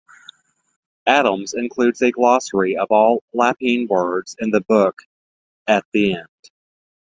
Adams includes a glossary of all Lapine words in the book at the end.